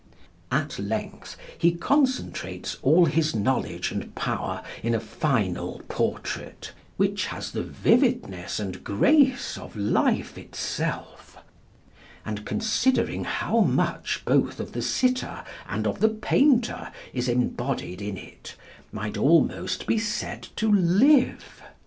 At length he concentrates all his knowledge and power in a final portrait, which has the vividness and grace of life itself, and, considering how much both of the sitter and of the painter is embodied in it, might almost be said to live.